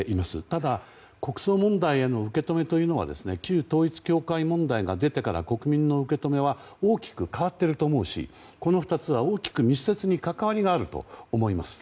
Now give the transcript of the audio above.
ただ、国葬問題への受け止めというのは旧統一教会問題が出てから国民の受け止めは大きく変わっていると思うしこの２つは大きく密接に関わりがあると思います。